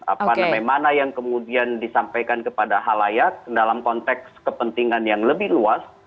apa namanya mana yang kemudian disampaikan kepada halayak dalam konteks kepentingan yang lebih luas